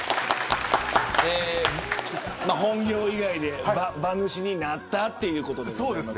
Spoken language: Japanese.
本業以外で馬主になったということでございます。